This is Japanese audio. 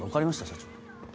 社長。